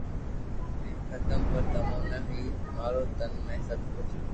ھين ختم بو تمو تو ھي مارون تن سب ڪجھ